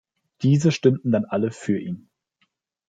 Diese stimmten dann alle für ihn.